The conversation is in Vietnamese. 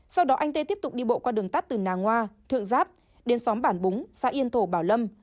sau đó anh tê tiếp tục đi bộ qua đường tắt từ nà ngoa thượng giáp đến xóm bản búng xã yên thổ bảo lâm